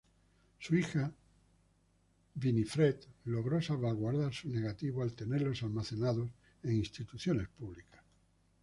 Su hija Winifred logró salvaguardar sus negativos al tenerlos almacenados en instituciones públicas.